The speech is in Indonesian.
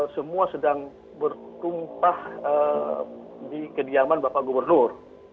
semua sedang bertumpah di kediaman bapak gubernur